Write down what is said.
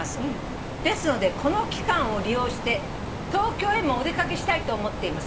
「ですのでこの期間を利用して東京へもお出掛けしたいと思っています」